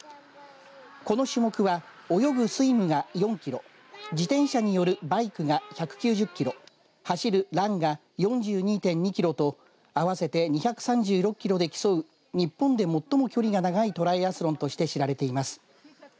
この種目は泳ぐスイムが４キロ自転車に乗るバイクが１９０キロ走るランが４２．２キロと合わせて２３６キロで競う日本で最も距離が長いトライアスロンとして知られています。